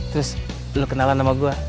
terus lo kenalan sama gue